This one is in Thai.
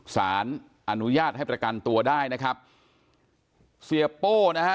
สารอนุญาตให้ประกันตัวได้นะครับเสียโป้นะฮะ